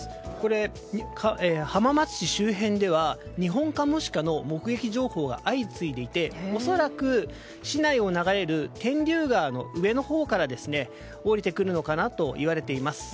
浜松市周辺ではニホンカモシカの目撃情報が相次いでいて恐らく、市内を流れる天竜川の上のほうから下りてくるのかなと言われています。